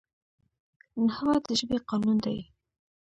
نحوه د ژبي قانون دئ.